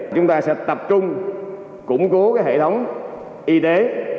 chúng ta sẽ tập trung củng cố hệ thống y tế